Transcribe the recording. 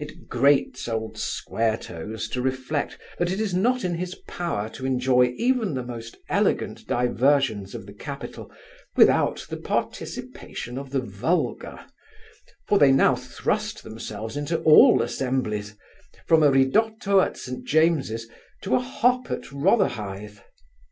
It grates old Square toes to reflect, that it is not in his power to enjoy even the most elegant diversions of the capital, without the participation of the vulgar; for they now thrust themselves into all assemblies, from a ridotto at St James's, to a hop at Rotherhithe.